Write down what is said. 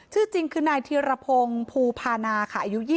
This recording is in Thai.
ชื่อจริงคือนายธีรพงศ์ภูพานาค่ะอายุ๒๐